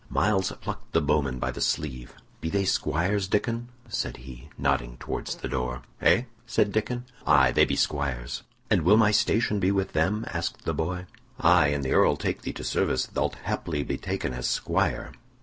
Myles plucked the bowman by the sleeve. "Be they squires, Diccon?" said he, nodding towards the door. "Eh?" said Diccon. "Aye; they be squires." "And will my station be with them?" asked the boy. "Aye; an the Earl take thee to service, thou'lt haply be taken as squire."